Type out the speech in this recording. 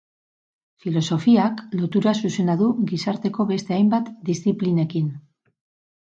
Filosofiak lotura zuzena du gizarteko beste hainbat disziplinekin.